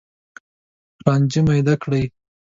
رانجه میده کړي